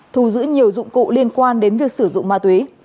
thù giữ nhiều dụng cụ liên quan đến việc sử dụng ma túy